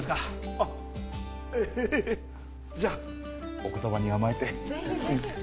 あっええじゃあお言葉に甘えてすいません